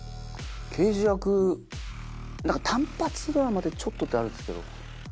刑事役単発ドラマでちょっとってあるんですけど。